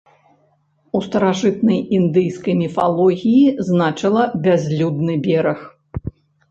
У старажытнай індыйскай міфалогіі значыла бязлюдны бераг.